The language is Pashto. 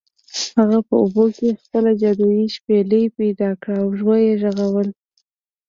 هغه په اوبو کې خپله جادويي شپیلۍ پیدا کړه او و یې غږوله.